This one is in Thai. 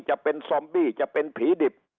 จะเป็นซอมบี้จะเป็นผีดิบ